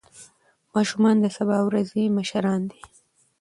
ماشومان د سبا ورځې مشران دي.